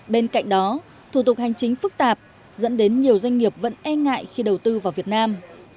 bên cạnh đó thủ tục hành chính phức tạp dẫn đến nhiều doanh nghiệp vẫn e ngại khi đầu tư vào việt nam